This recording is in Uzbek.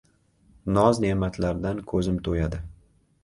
Noz-ne’matlardan ko‘zim to‘yadi.